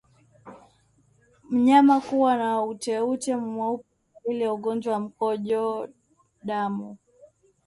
Mnyama kuwa na uteute mweupe ni dalili ya ugonjwa wa mkojo damu